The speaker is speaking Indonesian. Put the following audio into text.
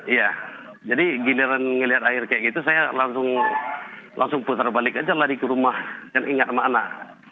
iya jadi giliran ngelihat air kayak gitu saya langsung putar balik aja lari ke rumah dan ingat sama anak